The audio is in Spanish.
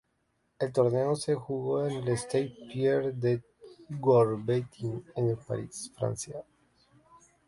El torneo se jugó en el Stade Pierre de Coubertin en París, Francia.